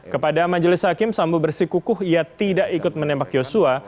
kepada majelis hakim sambo bersikukuh ia tidak ikut menembak yosua